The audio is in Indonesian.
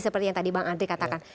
seperti yang tadi bang andri katakan